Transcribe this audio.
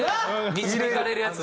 導かれるやつね。